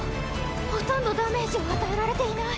ほとんどダメージを与えられていない。